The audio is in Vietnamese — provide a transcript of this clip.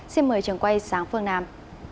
xin mời trường quay sáng phương nam